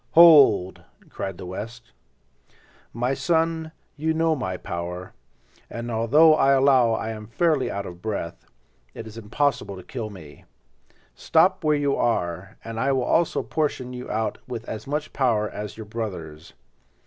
"Hold!" cried the West. "My son, you know my power, and although I allow I am now fairly out of breath, it is impossible to kill me. Stop where you are, and I will also portion you out with as much power as your brothers.